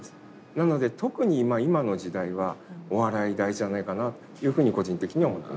なので特に今の時代はお笑い大事じゃないかなというふうに個人的には思っています。